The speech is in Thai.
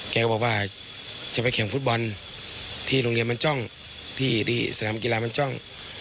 แกก็บอกว่าจะไปแข่งฟุตบอลที่โรงเรียนมันจ้องที่สนามกีฬามันจ้อง